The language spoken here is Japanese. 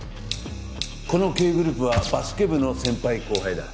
このＫグループはバスケ部の先輩後輩だ。